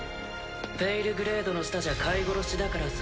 ペイルグレードの下じゃ飼い殺しだからさ。